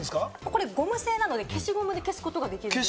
これゴム製なので消しゴムで消すことができるんです。